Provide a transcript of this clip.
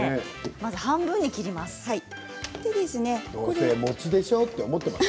半分に切ります。